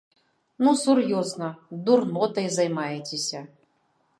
Ну сур'ёзна, дурнотай займаецеся!